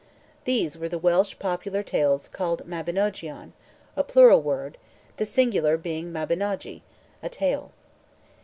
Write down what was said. These were the Welsh popular tales called Mabinogeon, a plural word, the singular being Mabinogi, a tale.